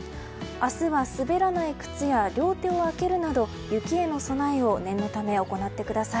明日は滑らない靴や両手を空けるなど雪への備えを念のため行ってください。